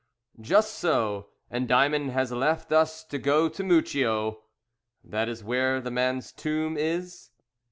"Just so, and Diamond has left us to go to Mucchio." "That is where the man's tomb is?"